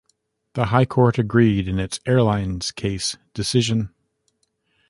The High Court agreed in its "Airlines Case" decision.